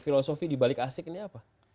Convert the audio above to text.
filosofi dibalik asik ini apa